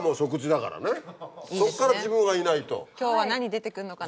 そっから自分がいないと。